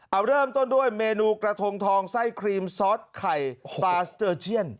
เอาเริ่มต้นด้วยเมนูกระทงทองไส้ครีมซอสไข่ปลาสเตอร์เชียน